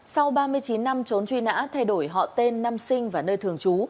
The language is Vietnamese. sau ba mươi chín năm trốn truy nã thay đổi họ tên năm sinh và nơi thường trú